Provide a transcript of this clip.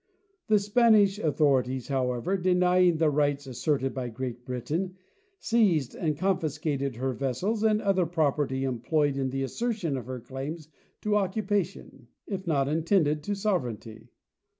The Spanish authorities, however, denying the rights asserted by Great Britain, seized and confis cated her vessels and other property employed in the assertion of her claims to occupation, if not indeed to sovereignty.